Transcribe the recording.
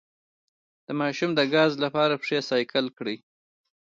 د ماشوم د ګاز لپاره پښې سایکل کړئ